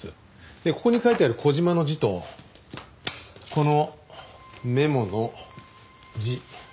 でここに書いてある小島の字とこのメモの字。